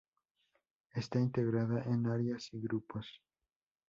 Está integrada en áreas y grupos.